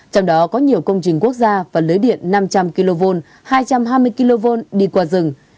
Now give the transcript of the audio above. trong đó có nhiều công trình quốc gia và lưới điện năm trăm linh kv hai trăm hai mươi kv đi qua rừng